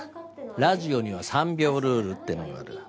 ラジオには３秒ルールってのがある。